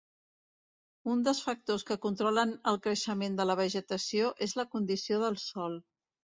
Un dels factors que controlen el creixement de la vegetació és la condició del sòl.